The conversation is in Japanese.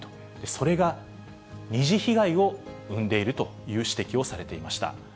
それが二次被害を生んでいるという指摘をされていました。